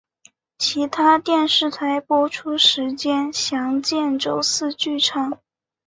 其他电视台播出时间详见周四剧场。